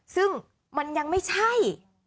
ซึ่งมันยังไม่ใช่